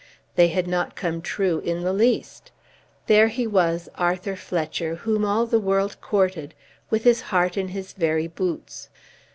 They had not come true in the least. There he was, Arthur Fletcher, whom all the world courted, with his heart in his very boots!